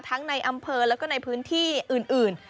ในอำเภอแล้วก็ในพื้นที่อื่น